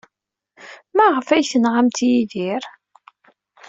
Maɣef ay tenɣamt Yidir?